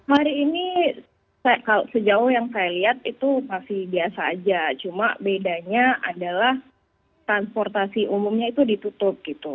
hari ini sejauh yang saya lihat itu masih biasa aja cuma bedanya adalah transportasi umumnya itu ditutup gitu